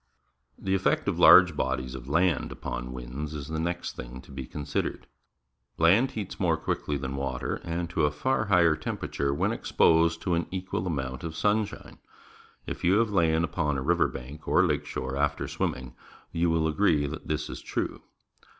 The effect of large bodies of land upon winds is the next thing to be considered. Land heats more quickly than water and to a far higher temperature, when exposed to an equal amount of sunshine. If you have lain upon a river bank or lake shore after swimming, you will agree that this is true.